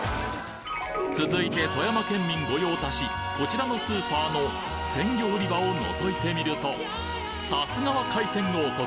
続いて富山県民御用達こちらのスーパーの鮮魚売り場をのぞいてみるとさすがは海鮮王国！